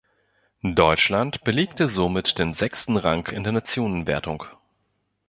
Deutschland belegte somit den sechsten Rang in der Nationenwertung.